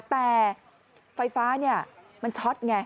แต่ไฟฟ้ามันช็อตไง